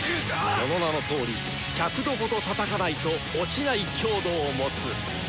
その名のとおり百度ほどたたかないと落ちない強度を持つ。